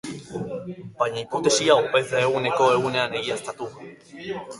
Baina hipotesi hau ez da ehuneko ehunean egiaztatu.